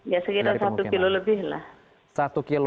ya sekitar satu kilo lebih lah